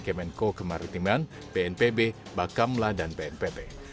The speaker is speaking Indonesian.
kemenko kemaritiman pnpb bakamla dan pnpt